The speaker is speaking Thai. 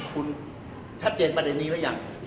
คุณชัดเจนประเด็นนี้หรือยัง